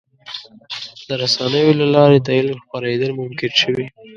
د رسنیو له لارې د علم خپرېدل ممکن شوي.